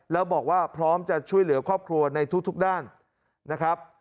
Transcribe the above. แล้วบอกว่าพร้อมจะช่วยเหลือครอบครัวในทุกด้านนะครับ